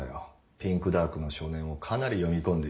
「ピンクダークの少年」をかなり読み込んでいる。